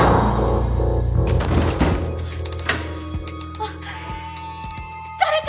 あっ誰か！